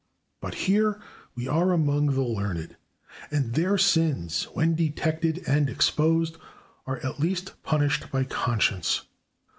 But here we are among the learned; and their sins, when detected and exposed, are at least punished by conscience.